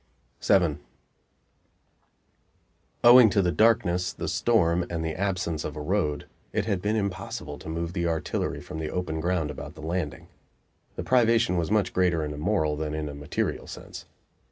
VII Owing to the darkness, the storm and the absence of a road, it had been impossible to move the artillery from the open ground about the Landing. The privation was much greater in a moral than in a material sense.